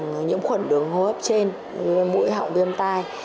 nhiễm khuẩn đường hô hấp trên mũi họng viêm tai